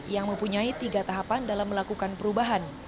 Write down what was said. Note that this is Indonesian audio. yang mempunyai tiga tahapan dalam melakukan perubahan